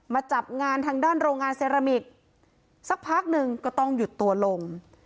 มาจับงานทางด้านโรงงานเซรามิกสักพักหนึ่งก็ต้องหยุดตัวลง